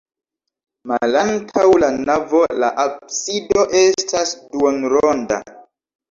Malantaŭ la navo la absido estas duonronda.